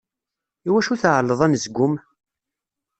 Iwacu tɛelleḍ anezgum?